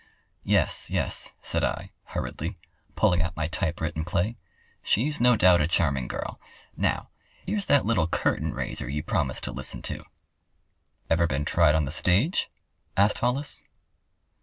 "Yes, yes," said I, hurriedly, pulling out my typewritten play. "She's no doubt a charming girl. Now, here's that little curtain raiser you promised to listen to." "Ever been tried on the stage?" asked Hollis.